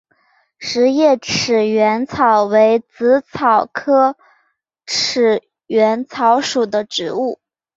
匙叶齿缘草为紫草科齿缘草属的植物。